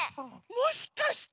もしかして！